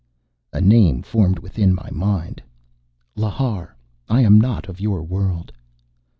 A name formed within my mind. "Lhar. I am not of your world."